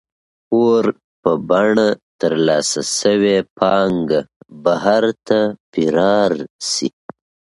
پور په بڼه ترلاسه شوې پانګه بهر ته فرار شي.